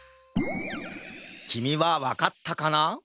きみはわかったかな？